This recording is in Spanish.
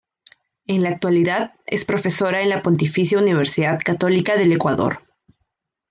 En la actualidad, es profesora en la Pontificia Universidad Católica del Ecuador.